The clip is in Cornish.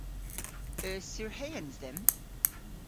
Eus surheans dhymm?